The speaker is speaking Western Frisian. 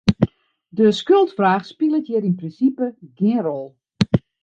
De skuldfraach spilet hjir yn prinsipe gjin rol.